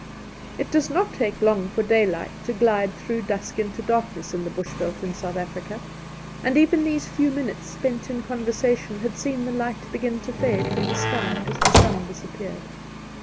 It does not take long for daylight to glide through dusk into darkness in the bush veld in South Africa, and even these few minutes spent in conversation had seen the light begin to fade from the sky as the sun disappeared.